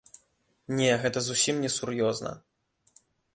Не, гэта зусім несур'ёзна.